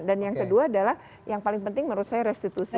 dan yang kedua adalah yang paling penting menurut saya restitusi